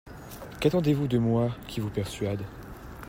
Qu'attendez-vous de moi qui vous persuade?